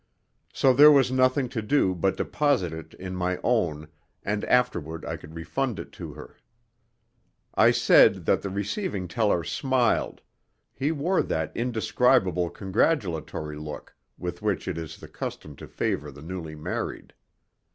So there was nothing to do but deposit it in my own, and afterward I could refund it to her. I said that the receiving teller smiled he wore that indescribable congratulatory look with which it is the custom to favor the newly married.